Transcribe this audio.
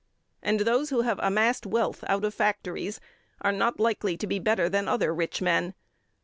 And those who have amassed wealth out of factories are not likely to be better than other rich men.